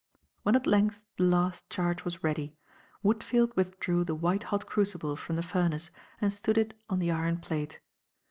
When at length, the last charge was ready, Woodfield withdrew the white hot crucible from the furnace and stood it on the iron plate.